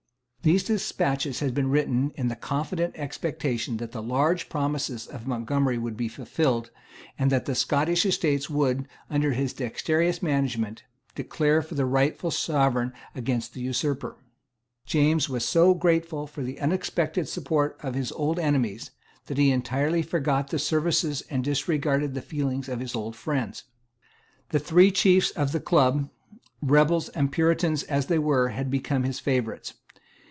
These despatches had been written in the confident expectation that the large promises of Montgomery would be fulfilled, and that the Scottish Estates would, under his dexterous management, declare for the rightful Sovereign against the Usurper. James was so grateful for the unexpected support of his old enemies, that he entirely forgot the services and disregarded the feelings of his old friends. The three chiefs of the Club, rebels and Puritans as they were, had become his favourites.